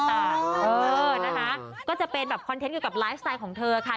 เออนะคะก็จะเป็นแบบคอนเทนต์เกี่ยวกับไลฟ์สไตล์ของเธอค่ะ